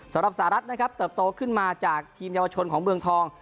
สหรัฐนะครับเติบโตขึ้นมาจากทีมเยาวชนของเมืองทอง